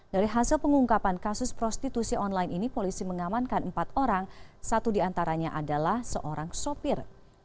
dari hasil pengungkapan kasus prostitusi online ini polisi mengamankan empat orang satu diantaranya adalah seorang sopir